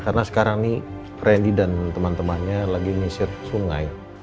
karena sekarang nih randy dan teman temannya lagi mengisir sungai